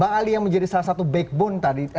bang ali yang menjadi salah satu backbone tadi